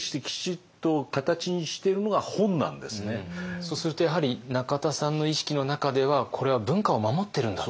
そうするとやはり中田さんの意識の中ではこれは文化を守ってるんだと。